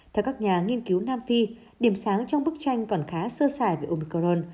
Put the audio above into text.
theo các nhà nghiên cứu nam phi điểm sáng trong bức tranh còn khá sơ sài về omicron